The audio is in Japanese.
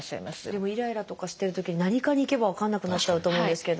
でもイライラとかしてるときに何科に行けば分からなくなっちゃうと思うんですけれども。